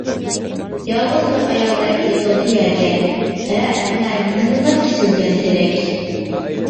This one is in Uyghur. يالغۇز بىر ئايالدەك يىقىلدى يەرگە، ھە ئەنە، يېنىمدىلا كېسىلگەن تېرەك.